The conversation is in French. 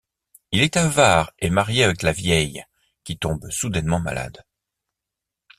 Il est avare et marié avec la Vieille qui tombe soudainement malade.